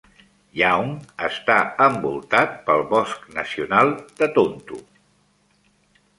Young està envoltat pel Bosc Nacional de Tonto.